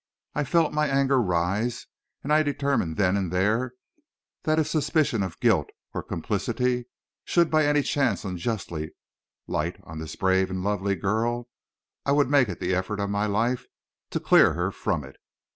I felt my anger rise, and I determined then and there that if suspicion of guilt or complicity should by any chance unjustly light on that brave and lovely girl, I would make the effort of my life to clear her from it.